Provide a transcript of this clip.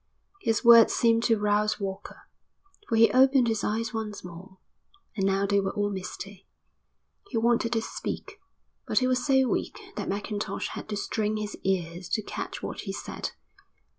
His words seemed to rouse Walker, for he opened his eyes once more, and now they were all misty. He wanted to speak, but he was so weak that Mackintosh had to strain his ears to catch what he said.